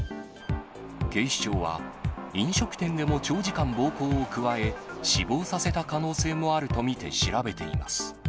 警視庁は、飲食店でも長時間暴行を加え、死亡させた可能性もあると見て調べています。